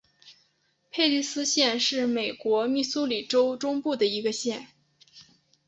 佩蒂斯县是美国密苏里州中部的一个县。